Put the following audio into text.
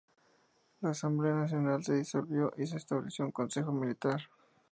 La Asamblea Nacional se disolvió y se estableció un Consejo Militar.